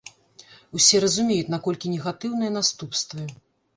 Усе разумеюць, наколькі негатыўныя наступствы.